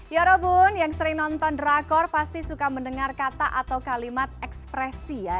yorobun yang sering nonton drakor pasti suka mendengar kata atau kalimat ekspresi ya